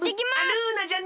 ルーナじゃない！